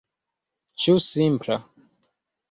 Ĉu simpla?